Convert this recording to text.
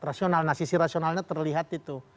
rasional nah sisi rasionalnya terlihat itu